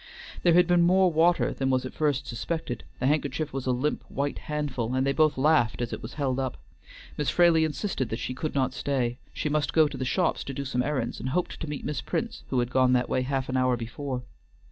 There had been more water than was at first suspected; the handkerchief was a limp, white handful, and they both laughed as it was held up. Miss Fraley insisted that she could not stay. She must go to the shops to do some errands, and hoped to meet Miss Prince who had gone that way half an hour before.